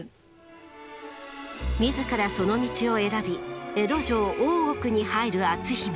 自らその道を選び江戸城大奥に入る篤姫。